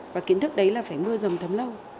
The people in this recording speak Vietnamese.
và kiến thức đấy là phải mưa rầm thấm lâu